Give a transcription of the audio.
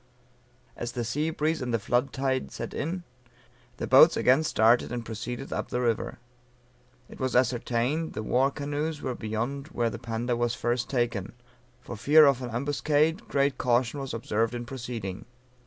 As the sea breeze and the flood tide set in, the boats again started and proceeded up the river. It was ascertained the war canoes were beyond where the Panda was first taken; for fear of an ambuscade great caution was observed in proceeding.